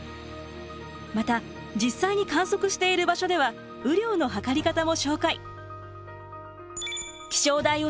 また実際に観測している場所では雨量のはかり方も紹介。